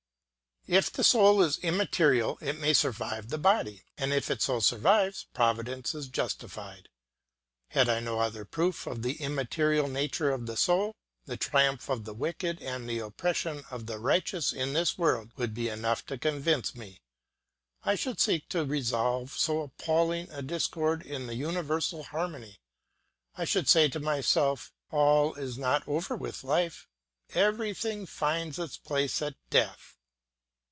If the soul is immaterial, it may survive the body; and if it so survives, Providence is justified. Had I no other proof of the immaterial nature of the soul, the triumph of the wicked and the oppression of the righteous in this world would be enough to convince me. I should seek to resolve so appalling a discord in the universal harmony. I should say to myself, "All is not over with life, everything finds its place at death."